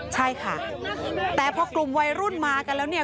ใช่ค่ะแต่พอกลุ่มวัยรุ่นมากันแล้วเนี่ย